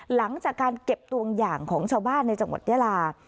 หลังจากการเก็บตัวอย่างของชาวบ้านในจังหวัดยาลา